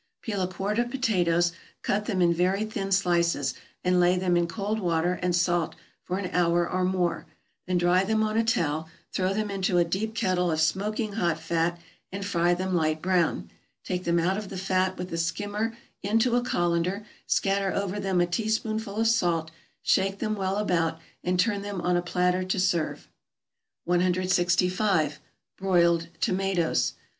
= Peel a quart of potatoes, cut them in very thin slices, and lay them in cold water and salt for an hour or more; then dry them on a towel, throw them into a deep kettle of smoking hot fat, and fry them light brown; take them out of the fat with a skimmer into a colander, scatter over them a teaspoonful of salt, shake them well about, and turn them on a platter to serve. 165. =Broiled Tomatoes.